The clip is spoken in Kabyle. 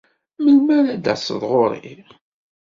Melmi ara d-taseḍ ɣur-i?